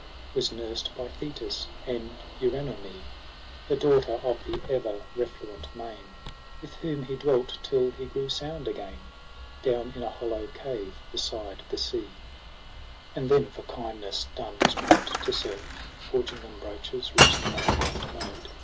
Was nursed by Thetis, and Eurynome, The daughter of the ever refluent main With whom he dwelt tUl he grew sound again, Down in a hollow cave beside the sea :+ And them for kindness done was prompt to serve, Forging them brooches rich in make and mode.